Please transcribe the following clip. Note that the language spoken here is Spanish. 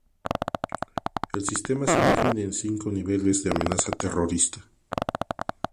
El sistema se define en cinco niveles de amenaza terrorista.